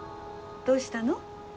どうしたの？